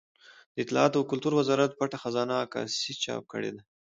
د اطلاعاتو او کلتور وزارت پټه خزانه عکسي چاپ کړې ده.